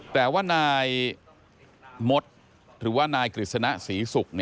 แต่ว่านายมดหรือว่านายกฤษณะศรีศุกร์